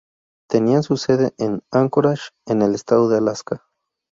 Tenían su sede en Anchorage, en el estado de Alaska.